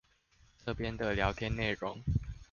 這邊的聊天內容